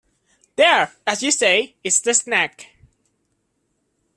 There, as you say, is the snag.